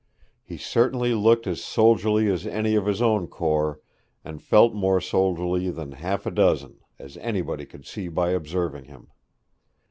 He certainly looked as soldierly as any of his own corps, and felt more soldierly than half a dozen, as anybody could see by observing him.